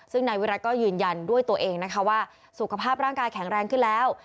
ซึ่งนายวิรัติก็ยืนยันด้วยตัวเองนะคะว่าสุขภาพร่างกายแข็งแรงขึ้นแล้ว